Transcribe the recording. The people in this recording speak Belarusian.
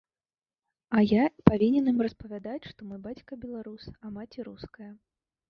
А я павінен ім распавядаць, што мой бацька беларус, а маці руская.